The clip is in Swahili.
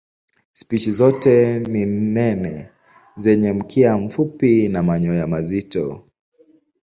Spishi zote ni nene zenye mkia mfupi na manyoya mazito.